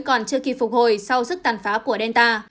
còn chưa kịp phục hồi sau sức tàn phá của delta